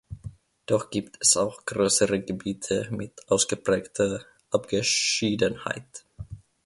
Doch gibt es auch größere Gebiete mit ausgeprägter Abgeschiedenheit.